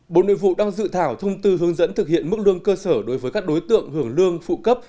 bộ nội vụ đang dự thảo thông tư hướng dẫn thực hiện mức lương cơ sở đối với các đối tượng hưởng lương phụ cấp